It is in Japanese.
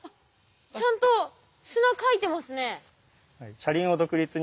ちゃんと砂かいてますね。